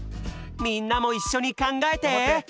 みんなもいっしょにかんがえて！